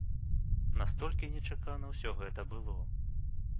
Настолькі нечакана ўсё гэта было.